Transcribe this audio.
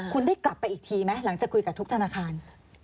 คุณได้กลับไปอีกทีไหมหลังจากคุยกับทุกธนาคาร